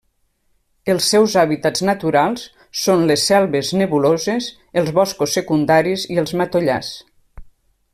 Els seus hàbitats naturals són les selves nebuloses, els boscos secundaris i els matollars.